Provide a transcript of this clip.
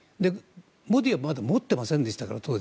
モディは、まだ持っていませんでしたから当時。